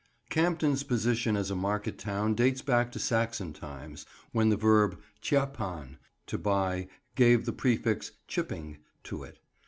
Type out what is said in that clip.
CAMPDEN'S position as a market town dates back to Saxon times, when the verb "ceapan," to buy, gave the prefix "Chipping" to it.